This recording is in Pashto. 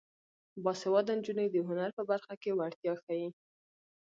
باسواده نجونې د هنر په برخه کې وړتیا ښيي.